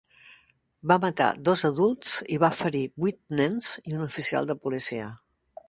Va matar dos adults i va ferir vuit nens i un oficial de policia.